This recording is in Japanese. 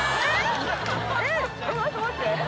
えっ待って待って。